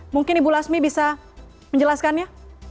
mungkin ibu lasmi bisa menjelaskannya